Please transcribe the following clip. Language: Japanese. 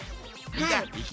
はい。